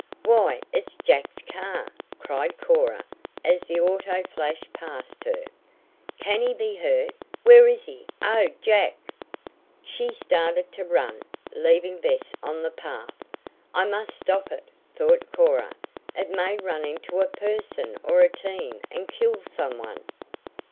"Why, it's Jack's car!" cried Cora as the auto flashed past her. "Can he be hurt? Where is he? 'Oh, Jack!" She started to run, leaving Bess on the path. "I must stop it!" thought Cora. "It may run into a person or a team and kill some one."